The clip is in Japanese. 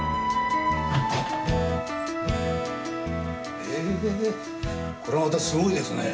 へえこれまたすごいですね。